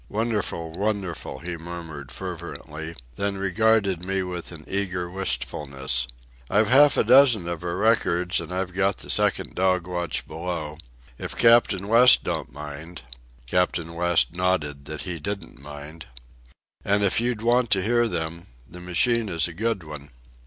"Wonderful, wonderful!" he murmured fervently, then regarded me with an eager wistfulness. "I've half a dozen of her records, and I've got the second dog watch below. If Captain West don't mind ..." (Captain West nodded that he didn't mind). "And if you'd want to hear them? The machine is a good one."